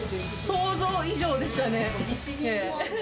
想像以上でしたね。